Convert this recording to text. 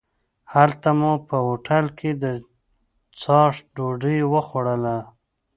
هلته مو په هوټل کې د څاښت ډوډۍ وخوړله.